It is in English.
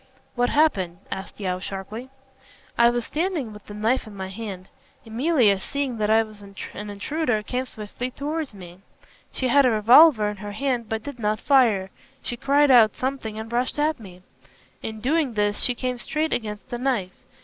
"What happened?" asked Yeo, sharply. "I was standing with the knife in my hand. Emilia, seeing that I was an intruder, came swiftly towards me. She had a revolver in her hand but did not fire. She cried out something and rushed at me. In doing this she came straight against the knife.